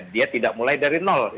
dia tidak mulai dari nol